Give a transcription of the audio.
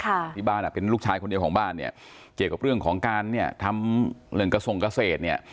ที่บ้านอ่ะเป็นลูกชายคนเดียวของบ้านเนี่ยเกี่ยวกับเรื่องของการเนี่ยทำเรื่องกระทรงเกษตรเนี่ย